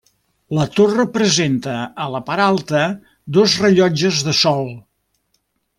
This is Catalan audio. La torre presenta a la part alta dos rellotges de sol.